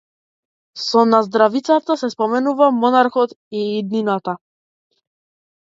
Со наздравица се споменува монархот и иднината.